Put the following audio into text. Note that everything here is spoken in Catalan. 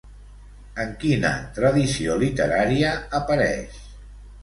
En quina tradició literària apareix?